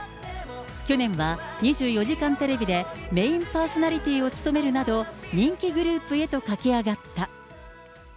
去年は２４時間テレビでメインパーソナリティーを務めるなど、人気グループへと駆け上がった。